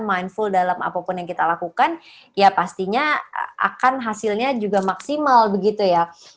mindful dalam apapun yang kita lakukan ya pastinya akan hasilnya juga maksimal begitu ya